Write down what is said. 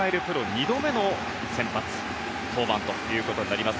２度目の先発登板ということになります。